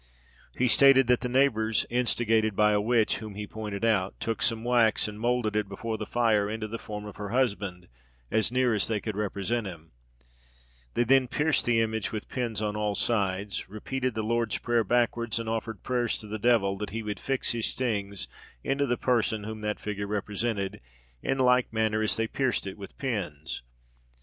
He stated that the neighbours, instigated by a witch, whom he pointed out, took some wax and moulded it before the fire into the form of her husband, as near as they could represent him; they then pierced the image with pins on all sides, repeated the Lord's Prayer backwards, and offered prayers to the devil that he would fix his stings into the person whom that figure represented, in like manner as they pierced it with pins.